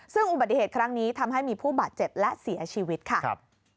ซึ่งอุบัติเหตุครั้งนี้ทำให้มีผู้บาดเจ็บและเสียชีวิตค่ะ